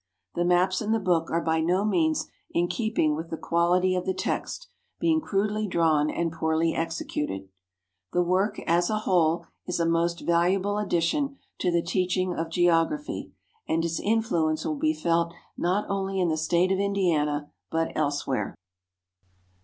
The maps in the book are by no means in keeping with the quality of the text, being crudely drawn and poorly executed. The work as a whole is a most valuable addition to the teaching of geography, and its influence will be felt not only in the State of Indiana, but elsewhere.